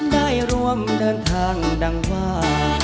ได้รวมเดินทางดังฟ้า